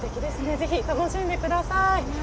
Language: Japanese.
ぜひ楽しんでください。